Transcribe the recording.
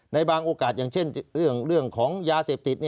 ในบางโอกาสอย่างเช่นเรื่องของยาเสพติด